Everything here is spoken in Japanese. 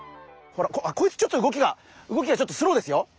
こいつちょっと動きが動きがちょっとスローですよ